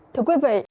thưa quý vị